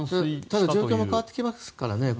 ただ状況も変わってきていますからね。